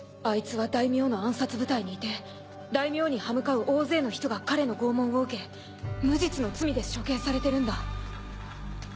アイツは大名の暗殺部隊にいて大名に刃向かう大勢の人が彼の拷問を受け無実の罪で処刑されてるんだ。